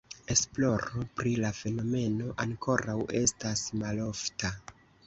Esploro pri la fenomeno ankoraŭ estas malofta.